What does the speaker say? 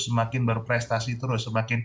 semakin berprestasi terus